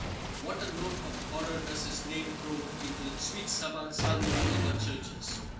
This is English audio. What a note of horror does his name throw into the sweet Sabbath psalmody of our churches.